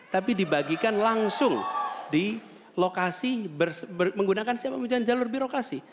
tapi dibagikan langsung di lokasi menggunakan siapa pun jalan jalur birokrasi